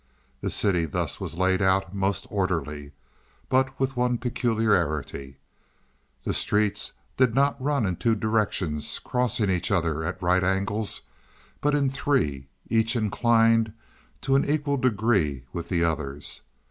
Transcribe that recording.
The city thus was laid out most orderly, but with one peculiarity; the streets did not run in two directions crossing each other at right angles, but in three, each inclined to an equal degree with the others.